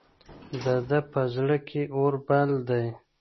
د ده په زړه کې اور بل دی.